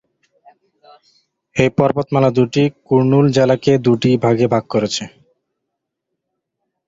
এই পর্বতমালা দুটি কুর্নুল জেলাকে দুটি ভাগে ভাগ করেছে।